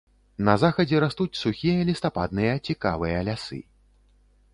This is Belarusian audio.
На захадзе растуць сухія лістападныя цікавыя лясы.